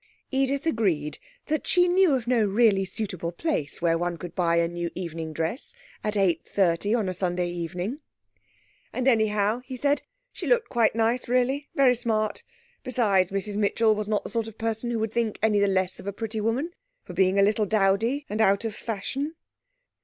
Edith agreed that she knew of no really suitable place where she could buy a new evening dress at eight thirty on Sunday evening. And, anyhow, he said, she looked quite nice, really very smart; besides, Mrs Mitchell was not the sort of person who would think any the less of a pretty woman for being a little dowdy and out of fashion.